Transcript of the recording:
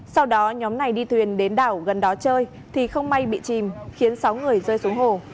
sau đó nhóm này đi thuyền đến đảo gần đó chơi thì không may bị chìm khiến sáu người rơi xuống hồ